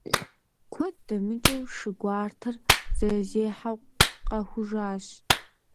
Куэд дэмыкӀыу, шы гуартэр зэрызехьэу къахужащ.